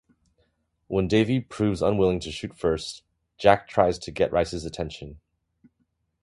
When Davey proves unwilling to shoot first, Jack tries to get Rice's attention.